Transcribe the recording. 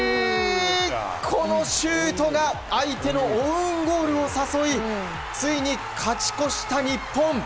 このシュートが相手のオウンゴールを誘いついに勝ち越した日本。